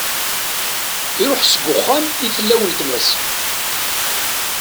Iruḥ seg uxxam i tella uletma-s.